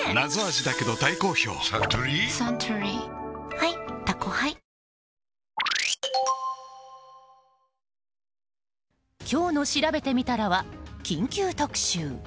ハイ「タコハイ」今日のしらべてみたらは緊急特集。